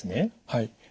はい。